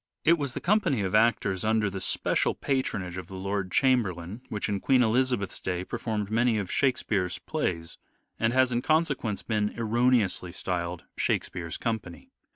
It was the company of actors under the special patronage of the Lord Chamberlain which in Queen Elizabeth's day per formed many of " Shakespeare's " plays, and has in consequence been erroneously styled " Shakespeare's Company."